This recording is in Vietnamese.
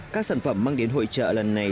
các sản phẩm mang đến hội trợ lần này